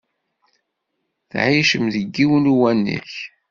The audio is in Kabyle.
Ttεicen deg yiwen uwanek.